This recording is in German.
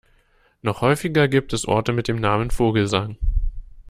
Noch häufiger gibt es Orte mit dem Namen Vogelsang.